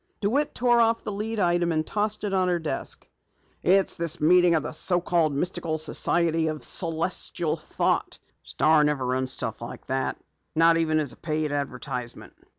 DeWitt tore off the lead item and tossed it on her desk. "It's this meeting of the so called Mystical Society of Celestial Thought. The Star never runs stuff like that, not even as a paid advertisement."